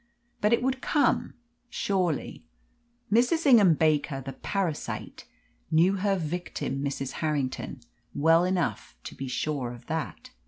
But it would come, surely. Mrs. Ingham Baker, the parasite, knew her victim, Mrs. Harrington, well enough to be sure of that.